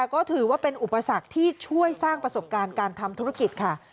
ก็ถือว่าเป็นอุปสรรคที่ช่วยสร้างประสบการณ์การทำธุรกิจค่ะ